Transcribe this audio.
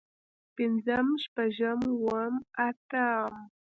پنځم شپږم اووم اتم